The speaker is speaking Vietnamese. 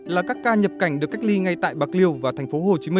là các ca nhập cảnh được cách ly ngay tại bạc liêu và tp hcm